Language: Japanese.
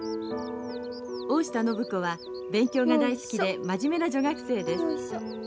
大下靖子は勉強が大好きで真面目な女学生です。